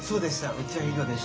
うちは井戸でした。